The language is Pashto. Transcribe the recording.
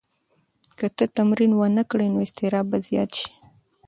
که ته تمرین ونه کړې نو اضطراب به زیات شي.